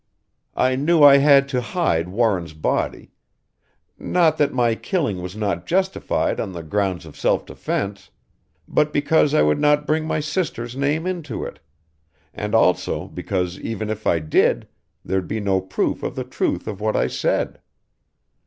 "I knew I had to hide Warren's body; not that my killing was not justified on the grounds of self defense, but because I would not bring my sister's name into it and also because even if I did, there'd be no proof of the truth of what I said.